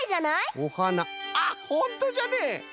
おはなあっほんとじゃね！